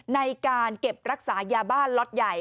ในการเก็บรักษายาบ้านล็อตใหญ่